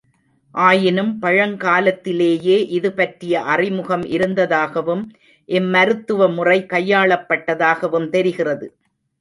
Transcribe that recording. ஆயினும், பழங்காலத்திலேயே இது பற்றிய அறிமுகம் இருந்ததாகவும் இம்மருத்துவமுறை கையாளப் பட்டதாகவும் தெரிகிறது.